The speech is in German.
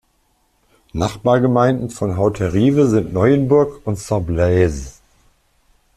Nachbargemeinden von Hauterive sind Neuenburg und Saint-Blaise.